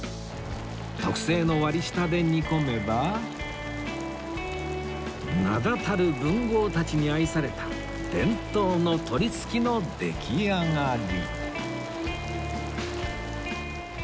特製の割り下で煮込めば名だたる文豪たちに愛された伝統の鳥すきの出来上がり